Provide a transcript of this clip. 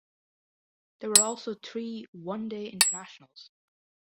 There were also three "one-day internationals".